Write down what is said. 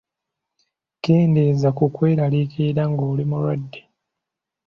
Keendeeza ku kweraliikirira ng’oli mulwadde.